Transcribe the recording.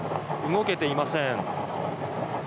動けていません。